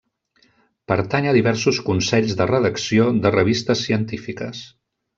Pertany a diversos consells de redacció de revistes científiques.